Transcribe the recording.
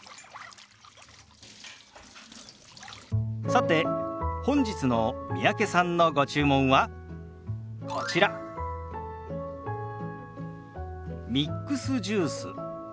さて本日の三宅さんのご注文はこちらミックスジュース。